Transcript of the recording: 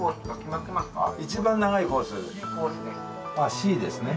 Ｃですね。